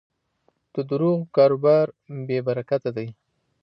د دروغو کاروبار بېبرکته دی.